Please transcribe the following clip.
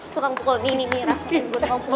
tukang pukul nih nih nih rasanya gue tukang pukul